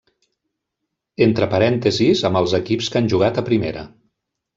Entre parèntesis, amb els equips que han jugat a Primera.